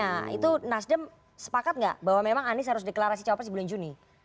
tapi menurut nasdem sepakat gak bahwa memang anis harus deklarasi cawapres di bulan juni